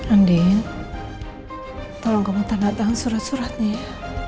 andien tolong kamu tanda tangan surat suratnya ya